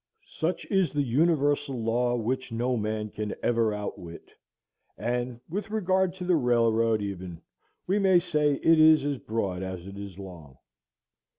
Such is the universal law, which no man can ever outwit, and with regard to the railroad even we may say it is as broad as it is long.